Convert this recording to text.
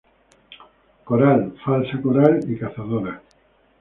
Coral, falsa coral y cazadora.